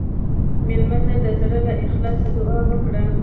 مېلمه ته د زړه له اخلاصه دعا وکړه.